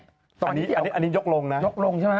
อันนี้ยกลงนะยกลงใช่ไหม